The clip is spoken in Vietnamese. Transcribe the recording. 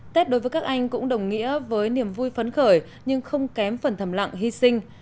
tết đối với các anh cũng đồng nghĩa với niềm vui phấn khởi nhưng không kém phần thầm lặng hy sinh